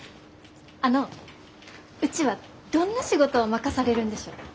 あのうちはどんな仕事を任されるんでしょう？